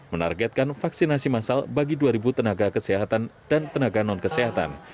menargetkan vaksinasi masal bagi dua tenaga kesehatan dan tenaga non kesehatan